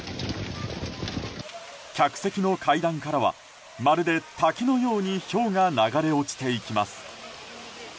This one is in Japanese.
客席の階段からはまるで滝のようにひょうが流れ落ちていきます。